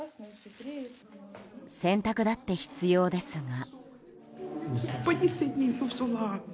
洗濯だって必要ですが。